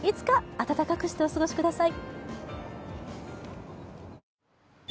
温かくしてお過ごしください。